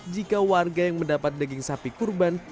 jika warga yang mendapat daging sapi kurban